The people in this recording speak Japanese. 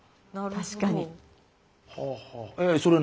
確かに。